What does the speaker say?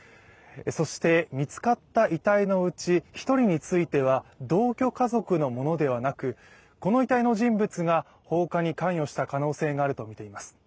そして見つかった遺体のうち１人については、同居家族のものではなくこの遺体の人物が放火に関与した可能性があるとみています。